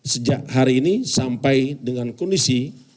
sejak hari ini sampai dengan kondisi